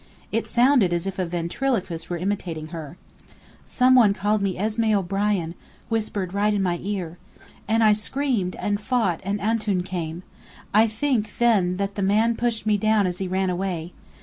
It sounded as if a ventriloquist were imitating her. "Some one called me Esmé O'Brien whispered right in my ear. And I screamed, and fought, and Antoun came. I think then the man pushed me down as he ran away.